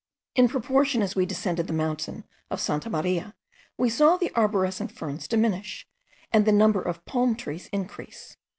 In proportion as we descended the mountain of Santa Maria, we saw the arborescent ferns diminish, and the number of palm trees increase.